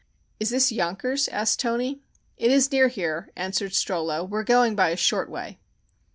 "Is this Yonkers?" asked Toni. "It is near here," answered Strollo. "We are going by a short way."